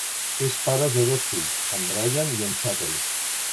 És pare de dos fills, en Bryant i en Zachary.